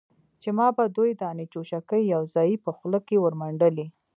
چې ما به دوې دانې چوشکې يوځايي په خوله کښې ورمنډلې.